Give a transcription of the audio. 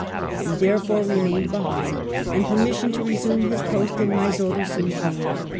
He therefore remained behind, and permission to resume his post in Mysore soon came.